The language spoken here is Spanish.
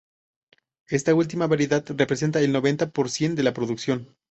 Esta última variedad representa el noventa por cien de la producción